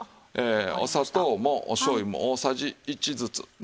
お砂糖もお醤油も大さじ１ずつ。